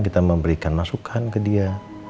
kita memberikan masukan ke dia